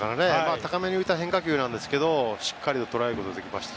高めに浮いた変化球なんですがしっかりとらえることができました。